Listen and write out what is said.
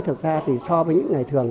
thật ra thì so với những ngày thường